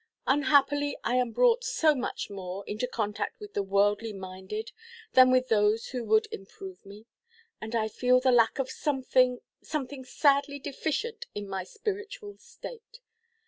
Unhappily, I am brought so much more into contact with the worldly–minded, than with those who would improve me, and I feel the lack of something, something sadly deficient in my spiritual state.